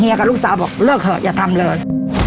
กับลูกสาวบอกเลิกเถอะอย่าทำเลย